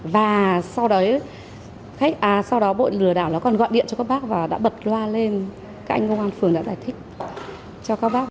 và sau đó bộ lừa đảo còn gọi điện cho các bác và đã bật loa lên các anh công an phường đã giải thích cho các bác